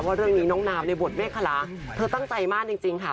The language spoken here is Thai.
ว่าเรื่องนี้น้องนาวในบทเมฆคลาเธอตั้งใจมากจริงค่ะ